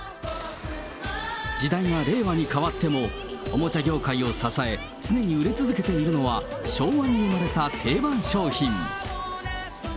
時代が令和に変わっても、おもちゃ業界を支え、常に売れ続けているのは昭和に生まれた定番商品。